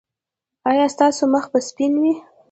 ایا ستاسو مخ به سپین وي؟